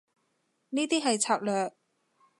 呢啲係策略